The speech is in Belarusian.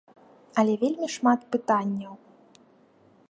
Але вельмі шмат пытанняў.